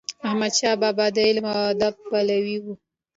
احمد شاه بابا د علم او ادب پلوی و.